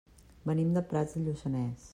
Venim de Prats de Lluçanès.